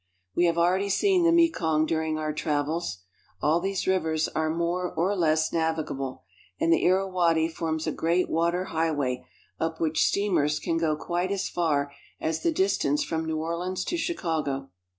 We have already seen the Mekong during our travels. All these rivers are more or less navigable, and the Irawadi forms a great water highway up which steamers can go quite as far as the distance from New Orleans to Chicago.